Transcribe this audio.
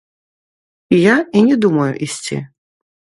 Я і не думаю ісці.